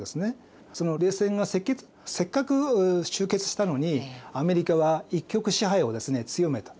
冷戦がせっかく終結したのにアメリカは一極支配を強めた。